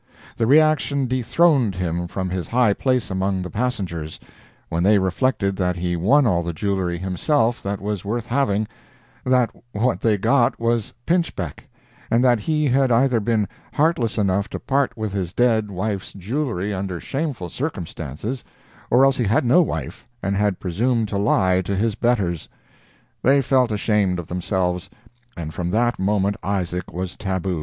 The reaction dethroned him from his high place among the passengers. When they reflected that he won all the jewelry himself that was worth having—that what they got was pinch beck; and that he had either been heartless enough to part with his dead wife's jewelry under shameful circumstances, or else he had no wife and had presumed to lie to his betters; they felt ashamed of themselves, and from that moment Isaac was tabu!